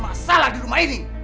masalah di rumah ini